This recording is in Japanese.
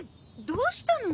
どうしたの？